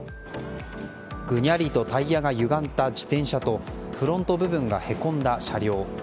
ぐにゃりとタイヤがゆがんだ自転車とフロント部分がへこんだ車両。